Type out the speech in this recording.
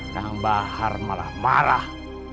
kang bahar malah marah